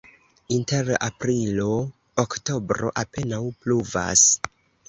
Inter aprilo-oktobro apenaŭ pluvas.